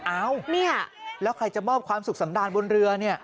อ้าวเนี่ยแล้วใครจะมอบความสุขสำดานบนเรือเนี่ย